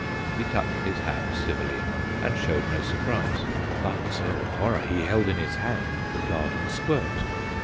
He touched his hat civilly enough, and showed no surprise; but, oh, horror! he held in his hand the garden squirt.